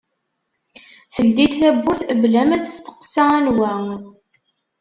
Teldi-d tawwurt bla ma testeqsa anwa.